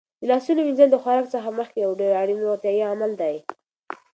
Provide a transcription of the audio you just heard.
د لاسونو وینځل د خوراک څخه مخکې یو ډېر اړین روغتیايي عمل دی.